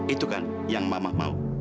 itu kan yang mama mau